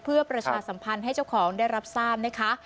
เพื่อประชาสัมพันธ์ให้เจ้าของได้รับทราบนะคะ